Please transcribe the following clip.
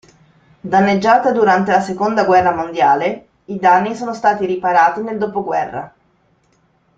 Danneggiata durante la seconda guerra mondiale, i danni sono stati riparati nel dopoguerra.